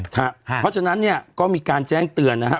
เพราะฉะนั้นเนี่ยก็มีการแจ้งเตือนนะครับ